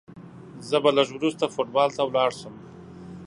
زه به لږ وروسته فوټبال ته ولاړ سم.